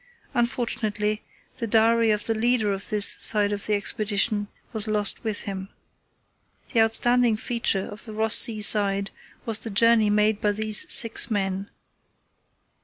Unfortunately, the diary of the leader of this side of the Expedition was lost with him. The outstanding feature of the Ross Sea side was the journey made by these six men.